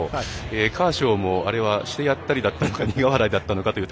カーショーもあれはしてやったりだったのか苦笑いだったのかという。